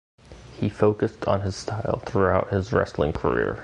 He focused on this style throughout his wrestling career.